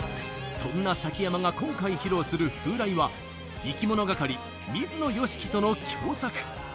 そんな崎山が今回、披露する「風来」はいきものがかり・水野良樹との共作。